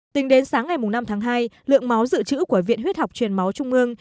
tính đến sáng ngày năm tháng hai lượng máu dự trữ của viện huyết học truyền máu trung ương